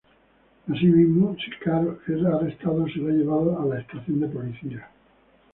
Asimismo, si Carl es arrestado, será llevado a la estación de policía.